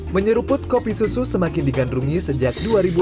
menyeruput kopi susu semakin digandrungi sejak dua ribu enam belas